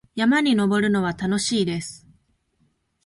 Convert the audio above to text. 山に登るのは楽しいです。